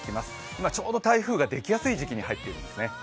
今ちょうど台風ができやすい時期に入っています。